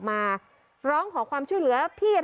อัศวินธรรมชาติ